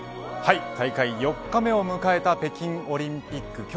大会４日目を迎えた北京オリンピック